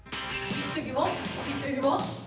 いってきます。